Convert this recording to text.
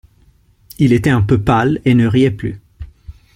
Il était un peu pâle et ne riait plus.